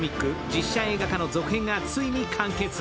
実写映画化の続編がついに完結。